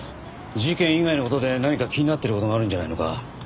事件以外の事で何か気になっている事があるんじゃないのか？